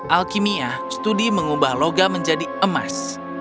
alkimia studi mengubah logam menjadi emas